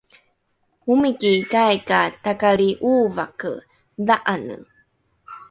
omikikai ka takali ’ovake dha’ane